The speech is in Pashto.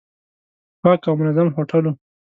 پاک او منظم هوټل و.